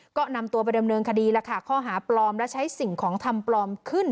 ก็นำตัวไปดำเนินคดีแล้วค่ะข้อหาปลอมและใช้สิ่งของทำปลอมขึ้น